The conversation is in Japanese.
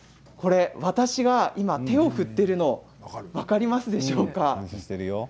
私が今、手を振っているのが分かりますでしょうか。